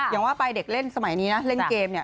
อย่างว่าไปเด็กเล่นสมัยนี้นะเล่นเกมเนี่ย